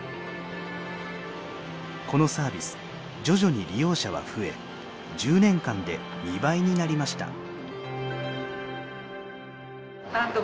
このサービス徐々に利用者は増え１０年間で２倍になりました。